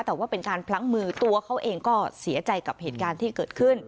แต่ว่าเป็นการพลั้งมือตัวเขาเองก็เสียใจกับเหตุการณ์ที่เกิดขึ้น